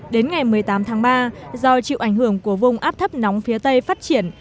đến ngày một mươi tám tháng ba do chịu ảnh hưởng của vùng áp thấp nóng phía tây phát triển